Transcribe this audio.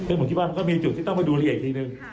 เพราะผมคิดว่ามันก็มีจุดที่ต้องมาดูแลอีกทีหนึ่ง